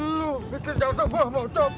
loh bikin jauh jauh bawa bawa jauh jauh